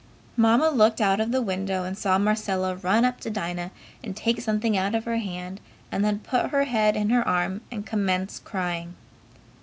Mamma looked out of the window and saw Marcella run up to Dinah and take something out of her hand and then put her head in her arm and commence crying.